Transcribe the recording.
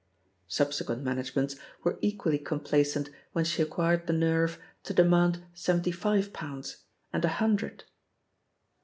(Subsequent managements were equally complacent when she acquired the nerve to demand seventy five pounds, and a hun dred.)